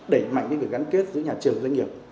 đẩy mạnh những gắn kết giữa nhà trường và doanh nghiệp